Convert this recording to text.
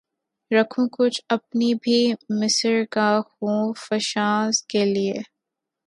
رکھوں کچھ اپنی بھی مژگان خوں فشاں کے لیے